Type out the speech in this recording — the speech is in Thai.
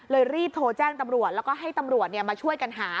รีบโทรแจ้งตำรวจแล้วก็ให้ตำรวจมาช่วยกันหา